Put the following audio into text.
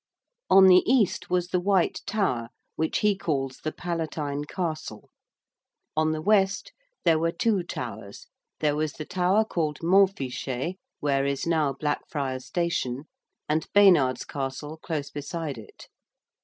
_)] On the east was the White Tower which he calls the 'Palatine Castle:' on the west there were two towers there was the Tower called Montfichet, where is now Blackfriars station, and Baynard's Castle, close beside it.